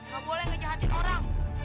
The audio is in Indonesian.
gak boleh ngejahatin orang